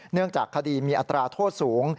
เนื่องจากคดีมีอัตราโทษสูง